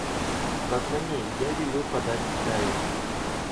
Позвони, я велю подать чаю.